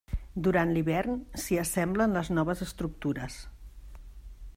Durant l'hivern, s'hi assemblen les noves estructures.